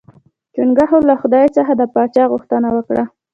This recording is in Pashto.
چنګښو له خدای څخه د پاچا غوښتنه وکړه.